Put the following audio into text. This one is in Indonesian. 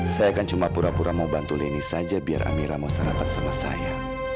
saya akan cuma pura pura mau bantu leni saja biar amira mau sarapan sama saya